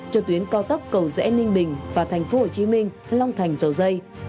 cho tuyến cao tốc cầu dẽ ninh bình và thành phố hồ chí minh long thành giàu dây